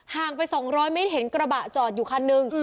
ห่างไป๒๐๐ไม่เห็นกระบะจอดอยู่คันหนึ่ง